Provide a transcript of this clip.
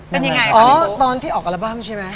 เป็นอย่างไรคะ